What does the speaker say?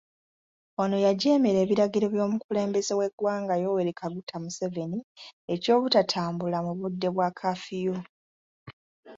Ono yajeemera ebiragiro by'omukulembeze w'eggwanga Yoweri Kaguta Museveni eky'obutatambula mu budde bwa kafiyu.